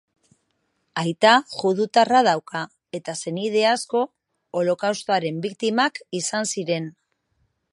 Aita judutarra dauka, eta senide asko Holokaustoaren biktimak izan ziren.